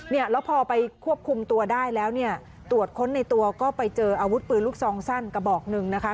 เนี่ยแล้วพอไปควบคุมตัวได้แล้วเนี่ยตรวจค้นในตัวก็ไปเจออาวุธปืนลูกซองสั้นกระบอกหนึ่งนะคะ